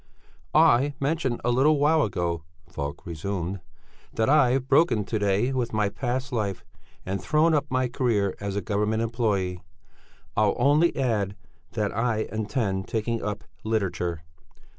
"I mentioned a little while ago," Falk resumed, "that I've broken to day with my past life and thrown up my career as a government employé. I'll only add that I intend taking up literature."